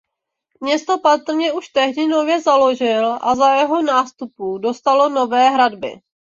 Město patrně už tehdy nově založil a za jeho nástupců dostalo nové hradby.